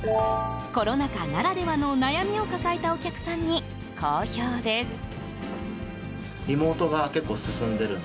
コロナ禍ならではの悩みを抱えたお客さんに好評です。